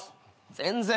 全然。